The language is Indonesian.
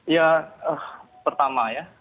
ya pertama ya